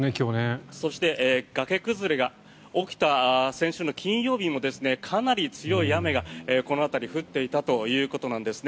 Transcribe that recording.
そして崖崩れが起きた先週金曜日もかなり強い雨がこの辺り、降っていたということなんですね。